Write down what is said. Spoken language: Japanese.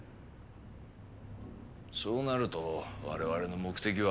そうなると我々の目的は。